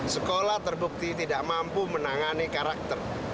sekolah terbukti tidak mampu menangani karakter